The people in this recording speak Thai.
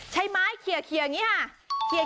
ใช่ไหมเคียร์มีฮะ